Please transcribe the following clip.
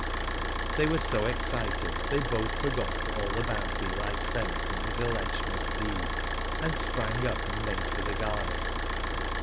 * They w'ere so excited they both forgot ail about Eli Spence and his alleged misdeeds, and sprang up and made for the garden.